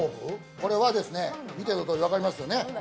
これは見ての通りわかりますよね？